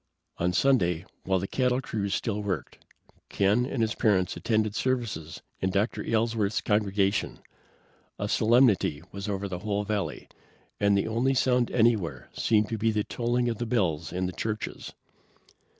On Sunday, while the cattle crews still worked, Ken and his parents attended services in Dr. Aylesworth's congregation. A solemnity was over the whole valley, and the only sound anywhere seemed to be the tolling of the bells in the churches.